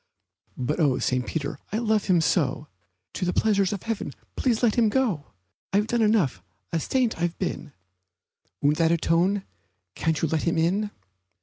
But oh, St. Peter, I love him so! To the pleasures of heaven please let him go! I've done enough a saint I've been Won't that atone? Can't you let him in?